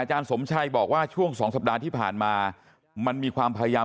สมชัยบอกว่าช่วง๒สัปดาห์ที่ผ่านมามันมีความพยายาม